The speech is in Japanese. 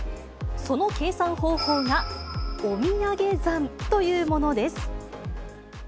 その計算方法が、おみやげ算というものです。